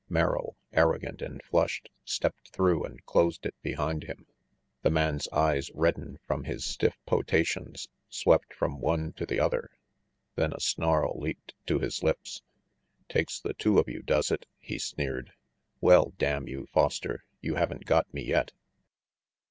Merrill, arrogant and flushed, stepped through and closed it behind him. The man's eyes, reddened from his stiff potations, swept from one to the other; than a snarl leaped to his lips. "Takes the two of you, does it?" he sneered. "Well, damn you, Foster, you haven't got me yet!"